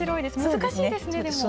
難しいですねでも。